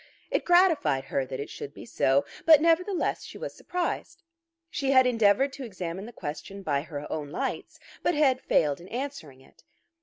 It gratified her that it should be so, but nevertheless she was surprised. She had endeavoured to examine the question by her own lights, but had failed in answering it.